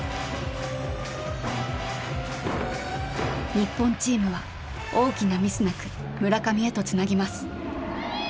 日本チームは大きなミスなく村上へとつなぎます。